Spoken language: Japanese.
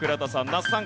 那須さん